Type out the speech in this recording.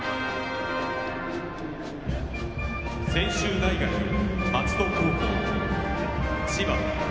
専修大学松戸高校・千葉。